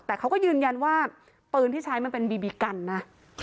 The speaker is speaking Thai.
แต่เขาก็ยืนยันว่าปืนที่ใช้มันเป็นบีบีกันนะ